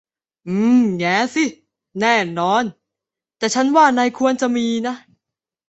อืม แหงสิ แน่นอน แต่ฉันว่านายควรจะมีนะ